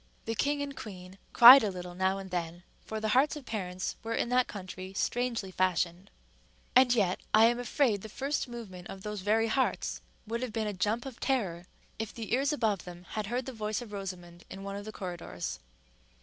The king and queen cried a little now and then, for the hearts of parents were in that country strangely fashioned; and yet I am afraid the first movement of those very hearts would have been a jump of terror if the ears above them had heard the voice of Rosamond in one of the corridors.